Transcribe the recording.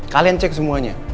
kalian cek semuanya